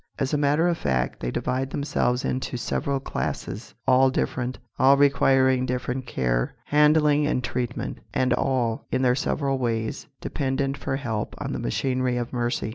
As a matter of fact, they divide themselves into several classes, all different, all requiring different care, handling and treatment, and all, in their several ways, dependent for help on the machinery of mercy.